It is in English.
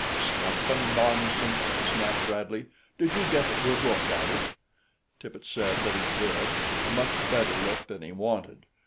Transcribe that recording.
"Stuff and nonsense," snapped Bradley. "Did you get a good look at it?" Tippet said that he did a much better look than he wanted.